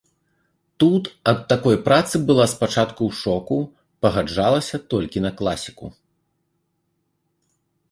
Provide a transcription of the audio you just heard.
Тут ад такой працы была спачатку ў шоку, пагаджалася толькі на класіку.